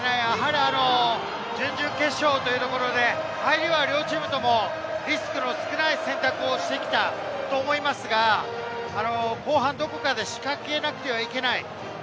準々決勝ということで、入りは両チームともリスクの少ない選択をしてきたと思いますが、後半どこかで仕掛けなくてはいけない。